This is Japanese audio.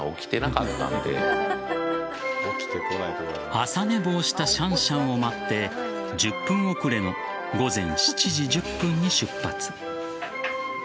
朝寝坊したシャンシャンを待って１０分遅れの午前７時１０分に出発。